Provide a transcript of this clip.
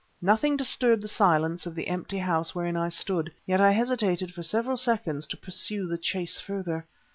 Nothing disturbed the silence of the empty house wherein I stood; yet I hesitated for several seconds to pursue the chase further.